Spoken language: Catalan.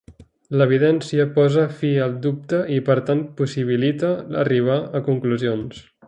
L'evidència posa fi al dubte i per tant possibilita arribar a conclusions.